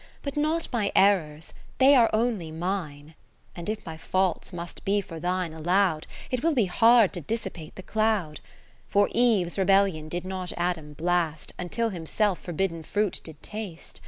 But not my errors, they are only mine. And if my faults must be for thine allow'd, It will be hard to dissipate the cloud : For Eve's rebellion did not Adam blast, II Until himself forbidden fruit did taste.